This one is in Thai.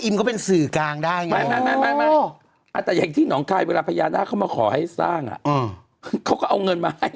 เมื่อมันที่๒๗ตอนคืน